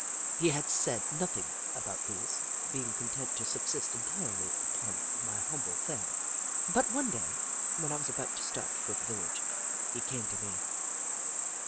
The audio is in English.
He had said nothing about these, being content to subsist entirely upon my humbler fare, but one day, when I was about to start for the village, he came to me.